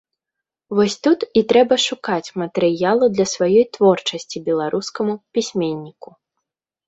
Вось тут і трэба шукаць матэрыялу для сваёй творчасці беларускаму пісьменніку.